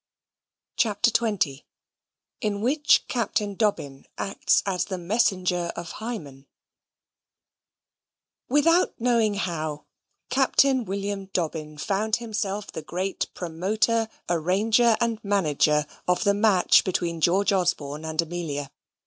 CHAPTER XX In Which Captain Dobbin Acts as the Messenger of Hymen Without knowing how, Captain William Dobbin found himself the great promoter, arranger, and manager of the match between George Osborne and Amelia.